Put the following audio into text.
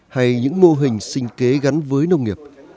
hay những mô hình sinh kế gắn với nông nghiệp